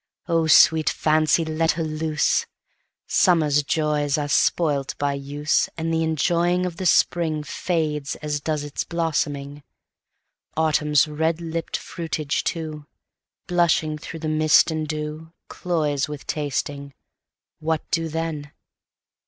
O sweet Fancy! let her loose; Summer's joys are spoilt by use, And the enjoying of the SpringFades as does its blossoming; Autumn's red lipp'd fruitage too, Blushing through the mist and dew, Cloys with tasting: What do then?